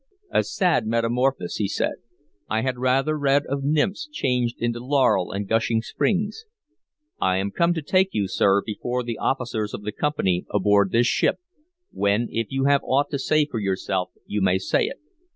"A sad metamorphosis," he said. "I had rather read of nymphs changed into laurel and gushing springs. I am come to take you, sir, before the officers of the Company aboard this ship, when, if you have aught to say for yourself, you may say it.